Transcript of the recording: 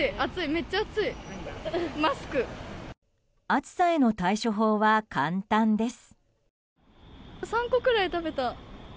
暑さへの対処法は簡単です。